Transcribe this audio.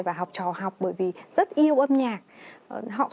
và học trò học bởi vì rất yêu âm nhạc